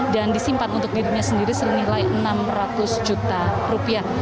dan disimpan untuk dirinya sendiri senilai enam ratus juta rupiah